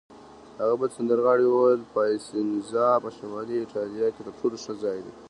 هغه بل سندرغاړي وویل: پایسنزا په شمالي ایټالیا کې تر ټولو ښه ځای دی.